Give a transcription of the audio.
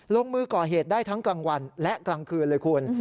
ลงมือก่อเหตุได้ทั้งกลางวันและกลางคืนเลยคุณ